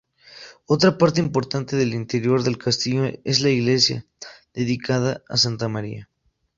Otra parte importante del interior del castillo es la iglesia, dedicada a Santa María.